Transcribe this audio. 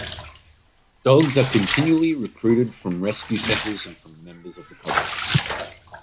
Dogs are continually recruited from rescue centres and from members of the public.